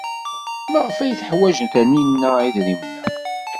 Maɣef ay teḥwaj Taninna idrimen-a?